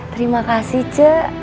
terima kasih c